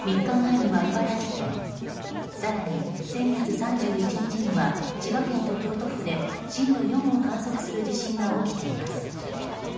一昨日は大阪府３日前には茨城県更に先月３１日には千葉県と京都府で震度４を観測する地震が起きています。